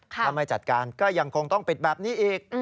ถ้าไม่จัดการก็ยังคงต้องปิดแบบนี้อีก